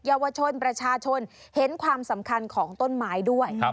เยาวชนประชาชนเห็นความสำคัญของต้นไม้ด้วย